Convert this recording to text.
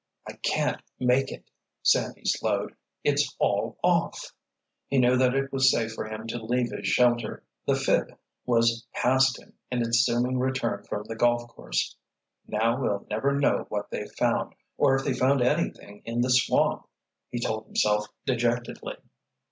"I can't make it," Sandy slowed. "It's all off!" He knew that it was safe for him to leave his shelter. The "phib" was past him in its zooming return from the golf course. "Now we'll never know what they found, or if they found anything in the swamp," he told himself dejectedly.